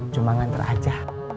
cuma ngantar aja